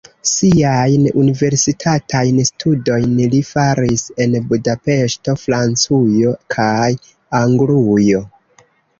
Siajn universitatajn studojn li faris en Budapeŝto, Francujo kaj Anglujo.